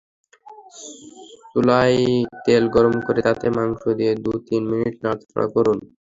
চুলায় তেল গরম করে তাতে মাংস দিয়ে দু-তিন মিনিট নাড়াচাড়া করুন।